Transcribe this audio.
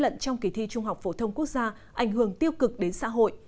trong kỳ thi trung học phổ thông quốc gia ảnh hưởng tiêu cực đến xã hội